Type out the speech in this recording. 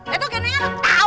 itu gini tau